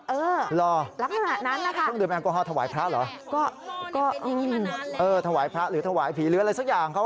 เออแล้วก็นั้นค่ะเออถวายพระหรือถวายผีหรืออะไรสักอย่าง